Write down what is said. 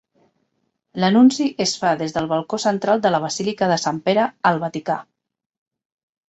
L'anunci es fa des del balcó central de la Basílica de Sant Pere al Vaticà.